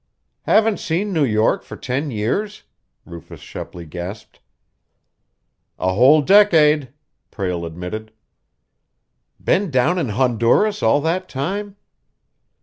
"Haven't seen New York for ten years?" Rufus Shepley gasped. "A whole decade," Prale admitted. "Been down in Honduras all that time?"